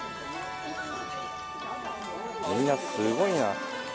みんなすごいな。